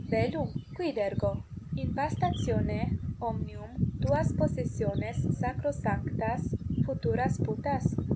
bellum? Quid ergo? in vastatione omnium tuas possessiones sacrosanctas futuras putas?